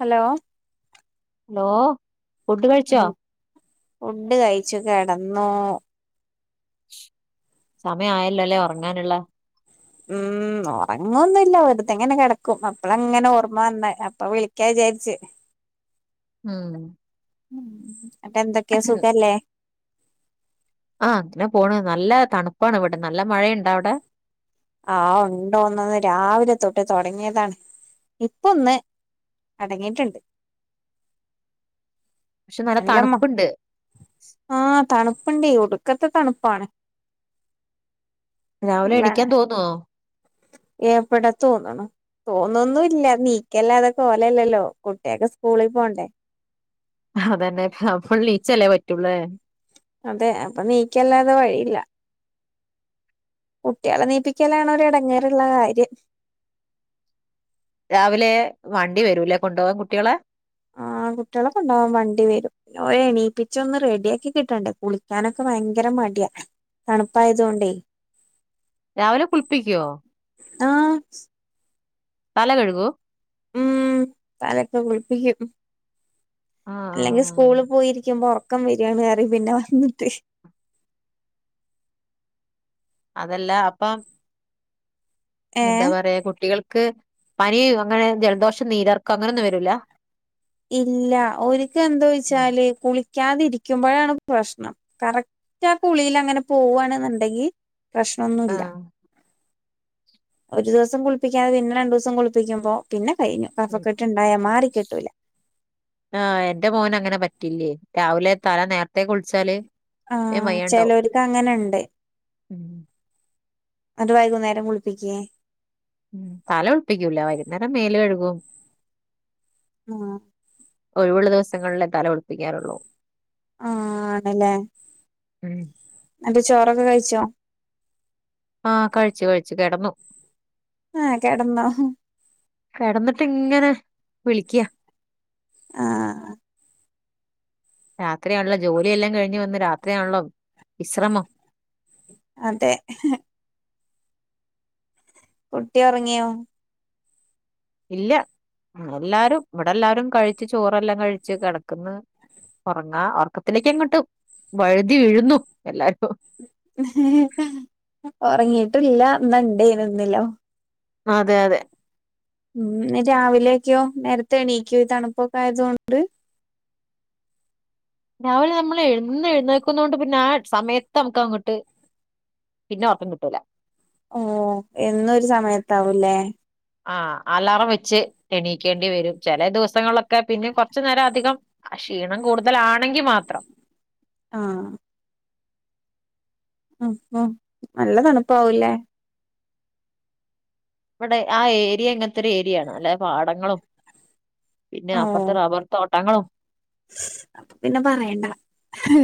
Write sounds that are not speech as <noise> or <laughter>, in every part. Hello hello food കഴിച്ചോ food കഴിച്ചു കെടന്നൂ സമയ ആയല്ലോ ല്ലെ ഒറങ്ങാനുള്ള ഉം ഒറങ്ങുന്നില്ല വെറതങ്ങനെ കിടക്കും അപ്പളാങ്ങനെ ഓർമ്മ വന്ന അപ്പൊ വിളിക്ക തേച്ച് ഉം ഉം അപ്പോ എന്തൊക്കെയ സുഖല്ലേ ആ അങ്ങനെ പോണ് നല്ല തണുപ്പാണ് ഇവിടെ നല്ല മഴണ്ട അവിടെ ആ ഉണ്ടോന്ന് ന്ന് രാവിലെ തൊട്ട് തൊടങ്ങിയതാണ് ഇപ്പൊന്ന് അടങ്ങിയിട്ടുണ്ട് പക്ഷെ നല്ല അല്ലമ്മ തണുപ്പുണ്ട് ആ തണുപ്പുണ്ടെ ഒടുക്ക ക്കത്ത് തണുപ്പാണ് രാവിലെ എണിക്കാൻ തോന്നോ? എവടെ തോന്നണു തോന്നൊന്നുല്ല നീക്കല്ലാതെ കോലല്ലല്ലോ കുട്ട്യാക്ക് സ്കൂളിൽ പോണ്ടേ അതന്നെ അമ്മൾ ലീച്ചല്ലേ പറ്റൂള്ളേ അതെ അപ്പൊ നീക്കല്ലാതെ വഴിയില്ല കുട്ടികളെ എണീപിക്കലാണ് ഒരു എടങ്ങേറുള്ള കാര്യം രാവിലെ വണ്ടി വരൂലേ കൊണ്ടുപോകാൻ കുട്ടികളെ ആ ആ കുട്ടികളെ കൊണ്ടോവാൻ വണ്ടി വരും എണീപ്പിച്ച ഓലെ ഒന്ന് റെഡിയ ആക്കി കിട്ടണ്ടെ കുളിക്കാനൊക്കെ ഭയങ്കര മടി മടിയ തണുപ്പായതൊണ്ടേ രാവിലെ കുളിപ്പിക്കുവോ ആ തല കഴുകും ഉം തലക്കെ കുളിപ്പിക്കും ആ ആ അല്ലെങ്കിൽ ആ. സ്കൂളിൽ പോയിരിക്കുമ്പോ ഉറക്കം വരിയാണ് പറയും പിന്നെ വന്നിട്ട് അതല്ല അപ്പം എന്താ ഏഹ് പറയാ കുട്ടികൾക്ക് പനിയ അങ്ങനെ ജലദോഷം നീര് ഇർക്കം അങ്ങനെയൊന്നും വരൂല ഇല്ല ഒരിക്ക എന്താ ഉം. ഒഴിച്ചാല കുളി കുളിക്കാതിരിക്കുമ്പോഴാണ് പ്രശ്നം കറക്റ്റ് ആ കുളിൽ അങ്ങനെ പോവുവാണെന്നുണ്ടെങ്കിൽ ആ പ്രശ്നൊന്നുല്ല ഒരു ദിവസം കുളിപ്പിക്കാതെ പിന്നെ രണ്ടു ദിവസം കുളിപ്പിക്കുമ്പോ പിന്നെ കഴിഞ്ഞു കഫക്കെട്ട് ഇണ്ടായാ മാറി കിട്ടൂല ആ എന്റെ മോന അങ്ങനെ പറ്റില്ലേ രാവിലെ തല നേരത്തേ കുളിച്ചാല് ആ വേം വയ്യാണ്ടാവും ചിലർക്ക് അങ്ങനെണ്ട് ഉം ന്നട്ട് വൈകുന്നേരം കുളിപ്പിക്കെ ഉം തല കുളിപ്പിക്കൂല വൈകുന്നേരം മേല് കഴുകും ആ ഒഴിവുള്ള ദിവസങ്ങളിലെ തല കുളിപ്പിക്കാറുള്ളൂ ആ ആണല്ലേ ഉം ന്നട്ട് ചോറൊക്കെ കഴിച്ചോ ആഹ കഴിച്ചു കഴിച്ചു കിടന്നു. ആഹ കടന്നോ? ഹ്. കിടന്നിട്ടിങ്ങനെ വിളിക്യാ. ആഹ്. രാത്രിയാണല്ലോ ജോലിയെല്ലാം കഴിഞ്ഞ് വന്ന് രാത്രിയാണല്ലോ വിശ്രമം. അതെ. കുട്ടി ഉറങ്ങിയോ? ഇല്ല എല്ലാരും ഇവിടെ എല്ലാരും കഴിച്ചു ചോറെല്ലാം കഴിച്ചു കിടക്കന്ന്. ഉറങ്ങാ ഉർക്കത്തിലേക്കങ്ങോട്ട് വഴുതി വീഴുന്നു എല്ലാരും. ട്ടില്ല ഇന്ന ണ്ടെന്നും. ആ അതെ അതെ. ഉം രാവിലെയൊക്കെയോ നേരത്തെ എണീക്കോ ഈ തണുപ്പൊക്കെ ആയതോണ്ട്? രാവിലെ നമ്മൾ എന്നും എഴുനേൽകുന്നോണ്ട് പിന്നെ ആ സമയത്ത് നമുക്ക് അങ്ങോട്ട്- പിന്നെ ഉറക്കം കിട്ടൂല. ഓ എന്നൊരു സമയത് ആാവു ല്ലേ. ആ അലാറം വെച്ച് എണീക്കേണ്ടി വരും ചില ദിവസങ്ങളിലൊക്കെ പിന്നും കൊറച്ചു നേരം അധികം- ക്ഷീണം കൂടുതലാണെങ്കി മാത്രം. ആഹ്. ഉ ഉ നല്ല തണുപ്പാവും ല്ലേ? ഇവിടെ ആ ഏരിയ ഇങ്ങനത്തെ ഒരു ഏരിയാണ് അല്ലെ പാടങ്ങളും- പിന്നെ അപ്പുറത്തെ റബ്ബർ തൊട്ടഞ- അപ്പൊ പിന്നെ പറയണ്ട. ഹ്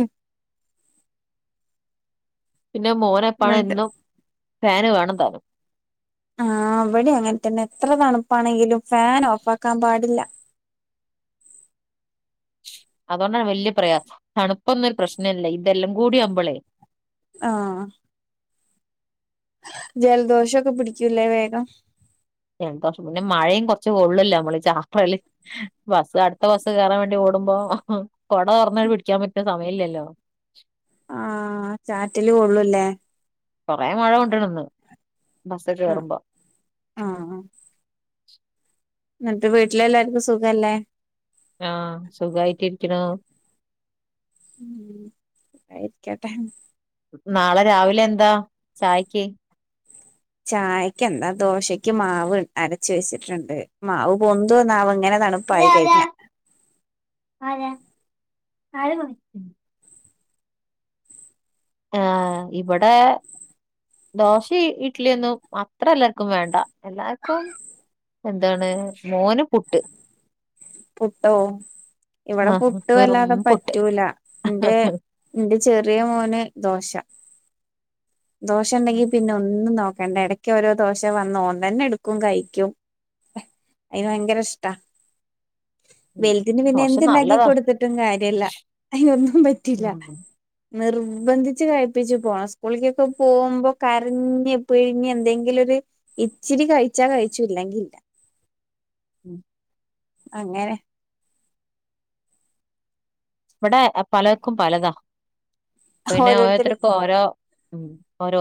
പിന്നെ മോനെപ്പാണ് ന്നട്ട് എന്നും ഫാന് വേണം താനും. ആഹ് അവിടെ അങ്ങനന്നെ എത്ര തണുപ്പാണെങ്കിലും ഫാൻ ഓഫ് ആാക്കാൻ പാടില്ല. അതൊണ്ടാണ് വല്യ പ്രയാസം. തണുപ്പൊന്നരു പ്രശ്നമല്ല ഇതെല്ലാം കൂടി ആകുമ്പോളേ. ആഹ് ജലദോഷോകേ പിടികും ലെ വേഗം. ജലദോഷം പിന്നെ മഴയും കുറച്ച് കൊള്ളോലോ നമ്മള് ചാപ്പ്രൽ ബസ് അടുത്ത ബസ്സ് കേയറൻ വേണ്ടി ഓടുമ്പോ. കുടുമ്പോ കൊട തുറന്നു പിടിക്കാൻ പറ്റുന്ന സമയമല്ലല്ലോ. ആഹ ചാറ്റില് കൊള്ളൂല്ലേ? കൊറെ മഴ കൊണ്ടണ് ന്ന് ബസ്സിൽ ആഹ് കേറുമ്പോ ആഹ് എന്നിട്ട് വീട്ടിലെല്ലാർക്കും സുഖല്ലേ ആ സുഖമായിട്ട് ഇരിക്ക്ണു ഗായിരിക്കട്ടെ നാളെ രാവിലെ എന്താ ചായക്ക് ചായക്ക് എന്താ ദോശയ്ക്ക് മാവ് അരച്ച് വെച്ചിട്ടുണ്ട് മാവ് പൊൻതുവോ ന്നാവോ ഇങ്ങനെ അല തണുപ്പായി കഴിഞ്ഞ ആരാ ആരാ ആരാ പ ഉം ആ ഇവിടെ ദോഷിം ഇഡലിയൊന്നും അത്ര എല്ലർക്കും വേണ്ട എല്ലർക്കും എന്താണ് മോൻ പുട്ട് പുട്ടോ ഇവിടെ ആഹ് പുട്ട് വെറും വല്ലാതെ പുട്ട് പറ്റൂല എന്റെ എന്റെ ചെറിയ മോന് ദോശ ദോശ ഉണ്ടെങ്കി പിന്നെ ഒന്നും നോ കണ്ട ഇടക്ക് ഓരോ ദോശ വന്ന് ഓൻ തന്നെ എടുക്കും കഴിക്കും അയിൻ ഭയങ്കര ഇഷ്ടാ വെലുത്തിന് പിന്നെ ദോശ എന്തുണ്ടാക്കി നല്ലതാ കൊടുത്തിട്ടും കാര്യല്ല അയിനൊന്നും പറ്റില്ല ഉം നിർബന്ധിച്ച് കഴിപ്പിച്ച് പോണം സ്കൂളിക്കൊക്കെ പോകുമ്പോ കരഞ്ഞ് പിഴിഞ്ഞ് എന്തെങ്കിലും ഒരു ഇച്ചിരി കഴിച്ചാ കഴിച്ചു ഇല്ലെങ്കില്ല ഉം അങ്ങനെ ഇവിടെ പലർക്കും പലതാ പിന്നെ ഓരോരുത്തര് ഓരോരുത്തർക്കും ഓരോ ഉം ഓരോ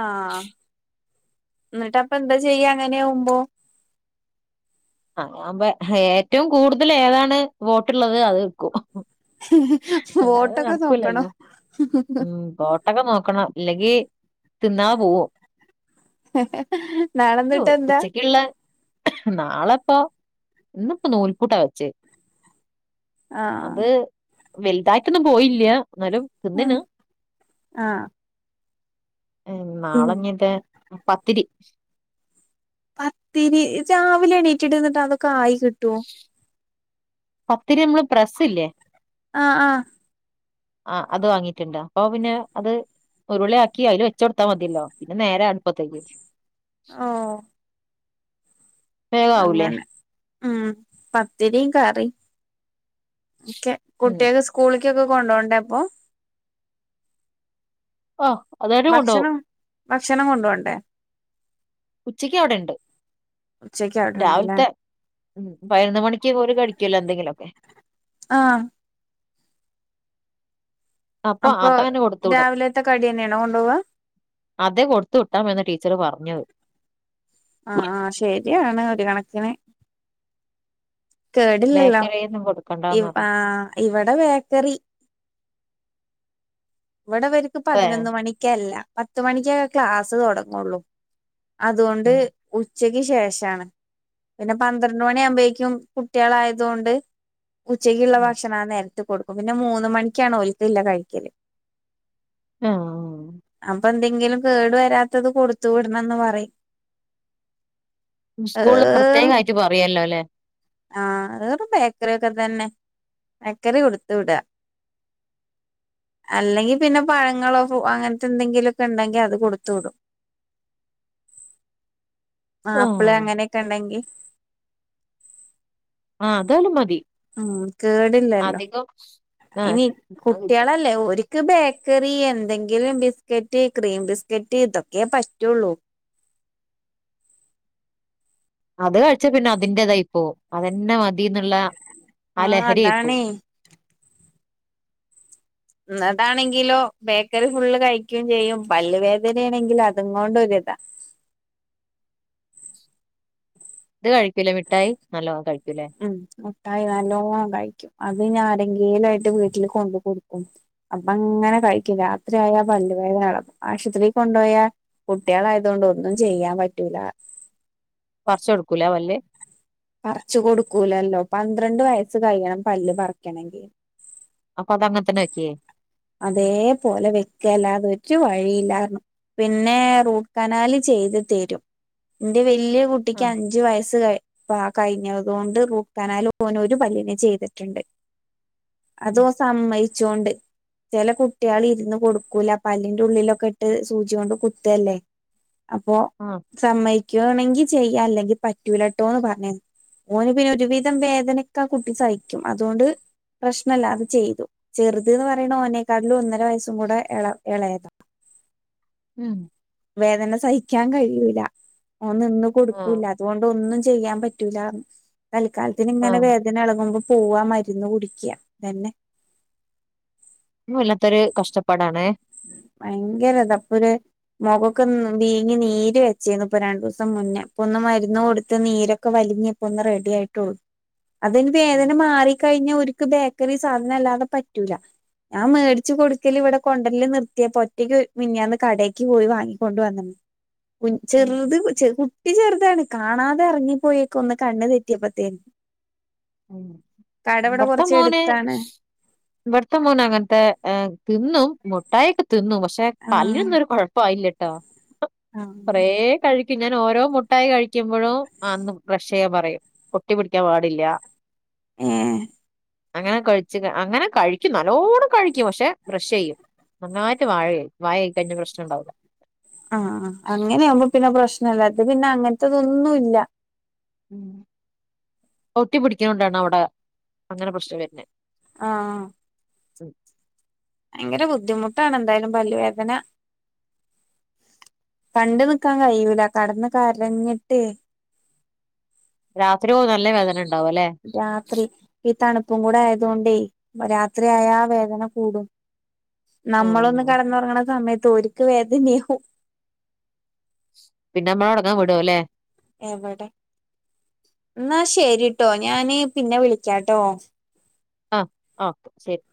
ആ എന്നിട്ടപ്പൊ എന്താ ചെയ്യ അങ്ങനെയവുമ്പോ ആ ഞാ ഏറ്റവും കൂടുതൽ ഏതാണ് വോട്ടുള്ളത് അത് വെക്കും അല്ല അത വോട്ടൊക്കെ നോക്കണോ നടക്കൂലല്ലോ ഉം അകം നോക്കണം അല്ലെങ്കിൽ തിന്നാ പോവും നോ നാളെന്നിട്ട് എന്താ ഉച്ചക്കുള്ള നാളെപ്പൊ ഇന്നി ഇപ്പോ നൂൽപൂട്ട വെച്ചേ ആ അത് വലുതായിട്ടൊന്നും പോയില്ല എന്നാലും തിന്നിന് ആഹ് ആഹ് ഉം നാളങ്ങത പത്തിരി പത്തിരി രാവിലെ എണീറ്റിട്ട് എന്നിട്ട് അതൊക്കെ ആയി കിട്ടുവോ പത്തിരി നമ്മള് പ്രസ് ഇല്ലേ ആ ആ ആ അത് വാങ്ങിട്ടുണ്ട് അപ്പൊ പിന്നെ അത് ഒരുവിള ആക്കി അതിൽ വെച്ച കൊടുത്താ മതിയല്ലോ പിന്നെ നേരെ അടുപ്പത്തേക്ക് ഓ വേഗാവൂലേ അങ്ങനെ ഉം പത്തിരിയും കറി ക്കെ ഉം കുട്ടിയൊക്കെ സ്കൂള് ഒക്കെ കൊണ്ടപോണ്ടേ അപ്പൊ ആഹ് അതാരും ഉണ്ടാവും ഭക്ഷണം ഭക്ഷണം കൊണ്ടോണ്ടേ ഉച്ചക്ക് അവിടെ ഉണ്ട് അച്ച രാവിലത്തെ ഉം പതിനൊന്ന് മണിക്ക് പോല കഴിക്കല്ലോ എന്തെങ്കിലും ഒക്കെ ആ അപ്പൊ അതങ്ങനെ കൊടുത്തു രാവിലെത്തെ കടി തന്നെയണോ കൊണ്ടുപോവാ അതെ കൊടുത്തു വിട്ടാമെന്ന് ടീച്ചര് പറഞ്ഞത് ആ ആ ശരിയാണ് ഒരു കണക്കിന് കേടില്ലല്ലോ ബേക്കറിയൊന്നും ഇ കൊടുക്കണ്ടാന്ന് ആ പറഞ്ഞു ഇവിടെ ബേക്കറി ഇവിടെ ഇവർക്ക് ഏ പതിനൊന്ന് മണിക്കല്ല പത്തു മണിക്കൊക്കെ ക്ലാസ് തുടങ്ങുള്ളൂ അതുകൊണ്ട് ഉം ഉ ഉച്ചക്ക് ശേഷമാണ് പിന്നെ പന്ത്രണ്ട് മണിയാവകുമ്പോഴേക്കും കുട്ടികള് ആയതുകൊണ്ട് ഉച്ചക്കുള്ള ഉം. ഭക്ഷണം ആ നേരത്ത് കൊടുക്കും പിന്നെ മൂന്ന് മണിക്കാണ് ഒലതില്ലേ കഴിക്കല് ആ അപ്പ എന്തെങ്കിലും കേടു വരാത്തത് കൊടുത്തു വിടണംന്ന് പറയും സ്കൂളില് ഏറും പ്രത്യേകമായിട്ട് പറയല്ലോല്ലേ ആഹ് അത് ബേക്കറിക്കെ തന്നെ ബേക്കറി കൊടുത്തു വിട അല്ലെങ്കിൽ പിന്നെ പഴങ്ങളോ ഫ്രൂ അങ്ങനത്തെ എന്തെങ്കിലുമൊക്കെ ഉണ്ടെങ്കിൽ അത് കൊടുത്തു വിടും ആഹ് ആപ്പിള് അങ്ങനെയൊക്കെ ഉണ്ടെങ്കിൽ ആഹ് അതാലും മതി ഉം കേടില്ലല്ലോ അധികം ആഹ് ഇനി കുട്ടികളല്ലേ ഒരി ക്ക് ബേക്കറി എന്തെങ്കിലും ബിസ്ക്കറ്റ് ക്രീം ബിസ്ക്കറ്റ് ഇതൊക്കേ പറ്റുള്ളൂ അത് കഴിച്ച പിന്നെ അതിന്റെറതായി പോവും അതന്നെ മ തീന്നുള്ള ആ ആഹ് ലഹരി ആയി പോവും അതാണേ എന്നതാണെങ്കിലോ ബേക്കറി ഫുള്ള് കഴിക്കുകയും ചെയ്യും പല്ല് വേദനയാണെങ്കിലോ അതും കൊണ്ടൊരിതാ <inaudible> ഇത് കഴിക്കില്ല മിട്ടായി നല്ലോണം കഴി ഉം മുട്ടായി നല്ലോണം കഴിക്കും അ ത് ഇനി ആരെങ്കിലും ആയിട്ട് വീട്ടിൽ കൊണ്ട് കൊടുക്കും അപ്പ അങ്ങനെ കഴിക്കും രാത്രി ആയാ പല്ല് വേ <unintelligible> ആശുപത്രിയിൽ കൊണ്ടുപോയാൽ കുട്ടികളായത് കൊണ്ട് ഒന്നും ചെയ്യാൻ പറ്റൂല പറിചെടുക്കൂല പല്ല് പറിച്ച് കൊടുക്കൂലല്ലോ പന്ത്രണ്ട് വയസ്സ് കഴിയണം പല്ല് പറിക്കണമെങ്കിൽ അപ്പൊ അത് അങ്ങനെ തന്നെ വെക്കേ അതേപോലെ വെക്കല്ലാതെ ഒരു വഴിയില്ലാ പറഞ്ഞു പിന്നെ റൂട്ട് കനാൽ ചെയ്ത് തരും ഇന്റെ വീ വല്യ കുട്ടിക്ക് ആഹ് അഞ്ചു വയസ്സ് കഴി അപ്പ ആ കഴിഞ്ഞതുകൊണ്ട് റൂട്ട് കനാൽ ഓനോരു പല്ലിനെ ചെയ്തിട്ടുണ്ട് അത് ഉം ഓൻ സമ്മയിച്ചോണ്ട് ചില കുട്ടികൾ ഇരുന്ന് കൊടുക്കൂല പല്ലിൻറെ ഉള്ളിലൊക്കെ ഇട്ട് സൂചി കൊണ്ട് കുത്തല്ലേ അപ്പൊ ആഹ് സമ്മക്കുവാണെങ്കി ചെയ്യാം അല്ലെങ്കിൽ പറ്റൂലട്ടോന്ന് പറഞ്ഞു ഓന് പിന്നെ ഒരുവിധം വേദനക്ക ആ കുട്ടി സഹിക്കും അതുകൊണ്ട് പ്രശ്നമല്ല അത് ചെയ്തു ചെറുതു എന്ന് പറ ഓനെ ക്കാട്ടിലും ഒന്നര വയസ്സും കൂടെ ഇള ഇളയതാ ഉം വേദന സഹിക്കാൻ കഴിയൂല ഓന് നിന്ന് ആഹ് കൊടുക്കൂല്ല അതുകൊണ്ട് ഒന്നും ചെയ്യാൻ പറ്റൂല തൽക്കാലത്തിന് ഇങ്ങനെ ആഹ് വേദന ഇളങ്ങുമ്പോ പോവാ മരുന്ന് കുടിക്കുക ഇതന്നെ വല്ലാത്തൊരു കഷ്ടപ്പാടാണെ ഭയങ്കര ഇതാ അപ്പര് മുഖൊക്കെ വീങ്ങി നീര് വെച്ചിരുന്നു ഇപ്പൊ രണ്ടു ദിവസം മുന്നേ ഇപ്പൊ ഒന്ന് മരുന്ന് കൊടുത്ത് നീരൊക്കെ വ ഇനിപ്പോന്നു റെഡിയായിട്ടുളൂ അതെ ഇനി ഉം വേദനമാറി ക്കഴിഞ്ഞ് ഒരു <unintelligible> ബേക്കറി സാധനം അല്ലാതെ പറ്റൂല ഞാൻ മേടിച്ചു കൊടുക്കൽ ഇവിടെ കൊ കൊണ്ടരല് നിർത്തിയപോ ഒറ്റയ്ക്ക് മിനിഞ്ഞാന്ന് കടേക്ക് പോയി വാങ്ങിക്കൊണ്ട് വന്നു കു ഉം ചെറുത് കു ചെ കു കുട്ടി ചെറുതാണ് കാണാതെ ഇറങ്ങിപ്പോയക്കെ ഒന്ന് കണ്ണ് തെറ്റിയപ്പോത്തേനും ഇവിടുത്തെ കൊറച്ച് മോന് എടുത്താണ് ഇവിടുത്തെ മോനെ അങ്ങനത്തെ തിന്നും മുട്ടായൊക്കെ തിന്നു പക്ഷെ ആഹ് പല്ലിനൊന്നും ഒരു കുഴപ്പായില്ലട്ടോ ആഹ് കൊറ കഴി പിന്നെ ഓരോ മുട്ടായി കഴിക്കുമ്പോഴും അന്നും ബ്രഷ് ചെയ്യാൻ പറയും ഒട്ടിപ്പിടിക്കാൻ പാടില്ല ഉം അങ്ങനെ കഴിച്ചച്ച് അങ്ങനെ കഴിക്കും നല്ലോണം കഴിക്കും പക്ഷെ ബ്രഷ് ചെയ്യും നന്നായിട്ട് വഴ വായ കഴുകി കഴിഞ്ഞ പ്രശ്നം ഇണ്ടവില്ല ആ അങ്ങനെയ ആകുമ്പോ പിന്നെ പ്രശ്നല്ലാത് പിന്നെ അങ്ങനത്തെതൊന്നും ഇല്ല ഉം ഒട്ടി പിടിക്കണണ്ടാണ് അവിടെ അങ്ങനെ പ്രശ്നം വരുന്നെ ആഹ് ഉം ഭയങ്കര ബുദ്ധിമുട്ടാണ് എന്തായാലും പല്ലുവേദന കണ്ട നിക്കാൻ കഴിയൂല കടന്ന് കരഞ്ഞിട്ട് രാത്രി ഓ നല്ല വേദന ഉണ്ടാവും അല്ലെ? രാത്രി ഈ തണുപ്പും കൂടെ ആയ അതുകൊണ്ടേ രാത്രിയയാ വേദന കൂടും നമ്മളൊന്ന് ആഹ്. കടന്നുറങ്ങണ സമയത്ത് ഒർക്ക് വേദനയാവും പിന്നെ നമ്മളോടങ്ങാൻ വിട അല്ലേ എവിടെ എന്നാ ശരിട്ടോ ഞാന് പിന്നെ വിളിക്കാട്ടോ ആ ആ ശരി